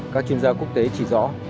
các chuyên gia quốc tế chỉ rõ